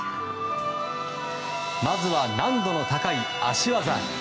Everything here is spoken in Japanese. まずは難度の高い脚技。